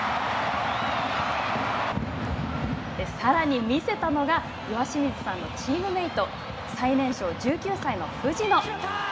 さらに見せたのが岩清水さんのチームメート最年少１９歳の藤野。